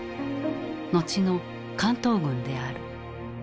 後の関東軍である。